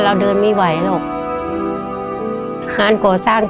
ถ้าช่วงไม่มีงานก็ไปหางาน